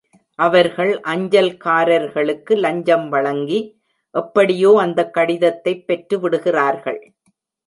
அவர்கள் அஞ்சல்காரருக்கு லஞ்சம் வழங்கி எப்படியோ அந்தக் கடிதத்தைப் பெற்றுவிடுகிறார்கள்.